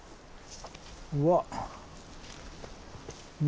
うわっ。